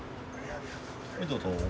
はいどうぞ。